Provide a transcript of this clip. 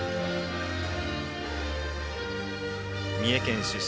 三重県出身